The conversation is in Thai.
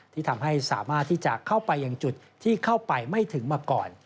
ที่ทำให้สามารถที่จะเข้าไปอย่างจุดที่เข้าไปไม่ถึงมาก่อน